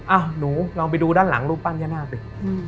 หนูลองไปดูด้านหลังรูปปั้นย่านาคสิ